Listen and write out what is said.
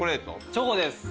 チョコです。